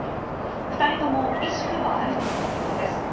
２人とも意識はあるということです。